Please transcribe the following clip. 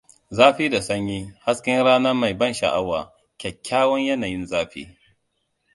Zafi da sanyi, hasken rana mai ban sha'awa, Kyakkyawan yanayin zafi!